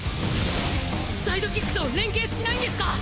サイドキックと連携しないんですか？